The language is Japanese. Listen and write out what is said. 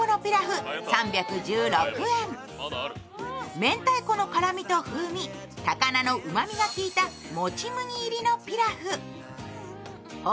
めんたいこの辛みと風味、高菜のうまみが効いたもち麦入りのピラフ。